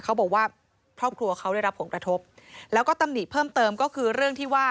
เขาบอกว่าครอบครัวเขาได้รับผลกระทบแล้วก็ตำหนิเพิ่มเติมก็คือเรื่องที่ว่า